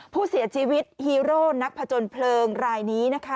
ผู้เสียชีวิตฮีโร่นักผจญเพลิงรายนี้นะคะ